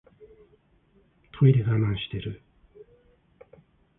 トイレ我慢してる